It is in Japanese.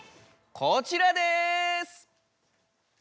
こちらです！